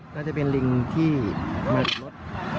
ก็จะเป็นลิงที่มาจากรถ